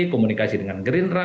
komunikasi dengan gerindra